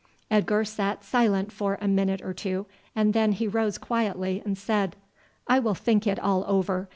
Edgar sat silent for a minute or two, and then he rose quietly and said, "I will think it all over.